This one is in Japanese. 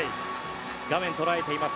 画面捉えています